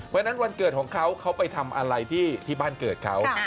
วันเกิดของเขาเขาไปทำอะไรที่บ้านเกิดเขา